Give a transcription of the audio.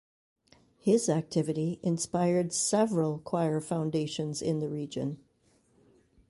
His activity inspired several choir foundations in the region.